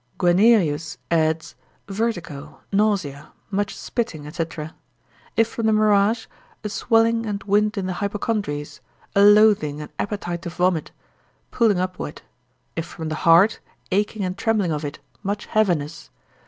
Guianerius adds, vertigo, nausea, much spitting, &c. If from the mirach, a swelling and wind in the hypochondries, a loathing, and appetite to vomit, pulling upward. If from the heart, aching and trembling of it, much heaviness.